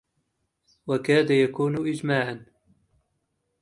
وكاد يكون إجماعاً